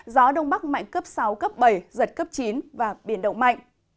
gió đông bắc mạnh cấp sáu cấp bảy giật cấp chín và biển động mạnh